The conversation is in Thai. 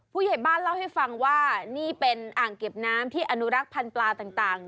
ผู้ใหญ่บ้านเล่าให้ฟังว่านี่เป็นอ่างเก็บน้ำที่อนุรักษ์พันธุ์ปลาต่าง